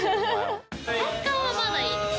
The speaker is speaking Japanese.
体幹はまだいいです。